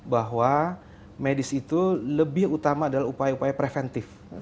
bahwa medis itu lebih utama adalah upaya upaya preventif